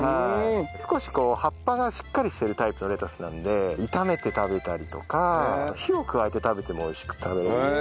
少し葉っぱがしっかりしてるタイプのレタスなので炒めて食べたりとかあと火を加えて食べても美味しく食べられる。